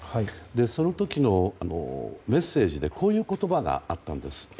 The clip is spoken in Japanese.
その時のメッセージでこういう言葉があったんです。